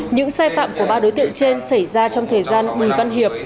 những sai phạm của ba đối tượng trên xảy ra trong thời gian bùi văn hiệp